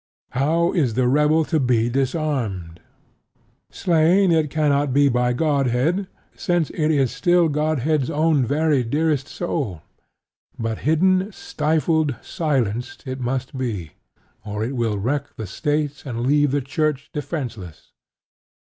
How is the rebel to be disarmed? Slain it cannot be by Godhead, since it is still Godhead's own very dearest soul. But hidden, stifled, silenced it must be; or it will wreck the State and leave the Church defenseless.